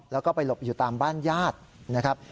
แล้วก็ไปหลบอยู่ตามบ้านญาตินะครับ